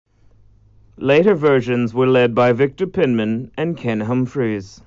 Later versions were led by Victor Penman and Ken Humphries.